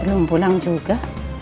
belum pulang juga